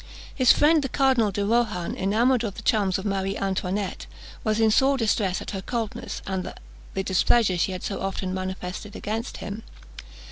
His friend the Cardinal de Rohan, enamoured of the charms of Marie Antoinette, was in sore distress at her coldness, and the displeasure she had so often manifested against him.